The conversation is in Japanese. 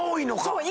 そう！